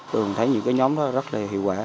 thường thấy những cái nhóm đó rất là hiệu quả